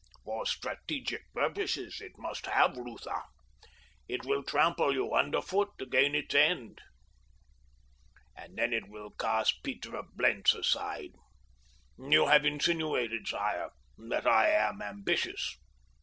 For strategic purposes it must have Lutha. It will trample you under foot to gain its end, and then it will cast Peter of Blentz aside. You have insinuated, sire, that I am ambitious.